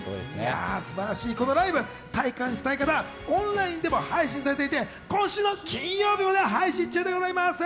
素晴らしいこのライブ体感したい方、オンラインでも配信されていて、今週の金曜日まで配信中です。